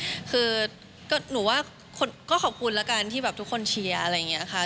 หนูคือหนูว่าก็ขอบคุณละกันที่แบบทุกคนเชี้ยอะไรงี้ค่ะ